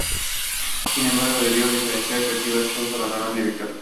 Sin embargo, debido a diferencias creativas, Chow abandonó la dirección.